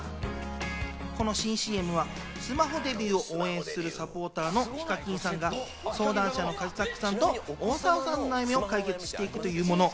この新ＣＭはスマホデビューを応援するサポーターのＨＩＫＡＫＩＮさんが相談者のカジサックさんと大沢さんの悩みを解決していくというもの。